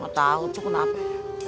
gak tau tuh kenapa ya